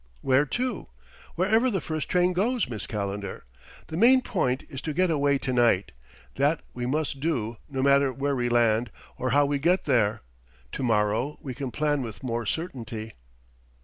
"Where to?" "Wherever the first train goes, Miss Calendar.... The main point is to get away to night. That we must do, no matter where we land, or how we get there. To morrow we can plan with more certainty."